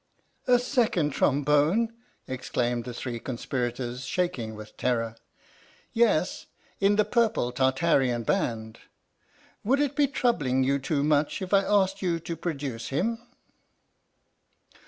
"A Second Trombone!" exclaimed the three conspirators, shaking with terror. " Yes in the Purple Tartarian Band. Would it be troubling you too much if I asked you to produce him?"